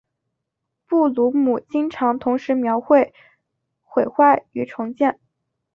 布鲁姆经常同时描绘毁坏与重建。